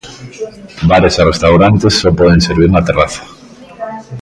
Bares e restaurantes só poden servir na terraza.